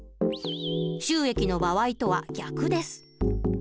収益の場合とは逆です。